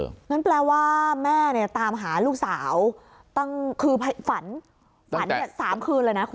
งั้นแปลว่าแม่เนี่ยตามหาลูกสาวตั้งคือฝันฝันเนี่ย๓คืนเลยนะคุณ